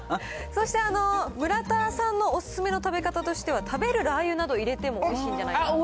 そして、村田さんのお勧めの食べ方としては、食べるラー油など入れてもおいしいんじゃないか。